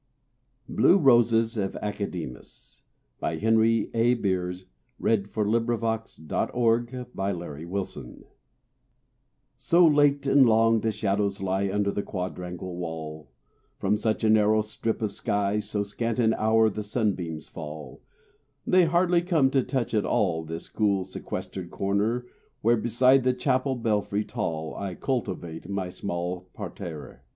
it her spark Where from my threshold sank the vale profound. BLUE ROSES OF ACADEMUS So late and long the shadows lie Under the quadrangle wall: From such a narrow strip of sky So scant an hour the sunbeams fall, They hardly come to touch at all This cool, sequestered corner where, Beside the chapel belfry tall, I cultivate my small parterre.